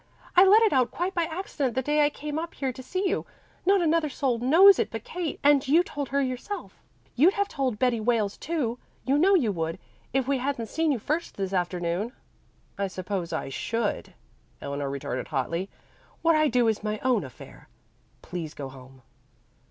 I let it out quite by accident the day I came up here to see you. Not another soul knows it but Kate, and you told her yourself. You'd have told Betty Wales, too, you know you would if we hadn't seen you first this afternoon." "Suppose I should," Eleanor retorted hotly. "What I do is my own affair. Please go home."